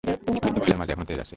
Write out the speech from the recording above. বৃদ্ধ মহিলার মাঝে এখনো তেজ আছে।